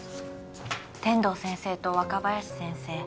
天堂先生と若林先生